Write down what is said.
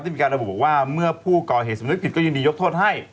มีการระบุบอกว่าเมื่อผู้ก่อเหตุสำนึกผิดก็ยินดียกโทษให้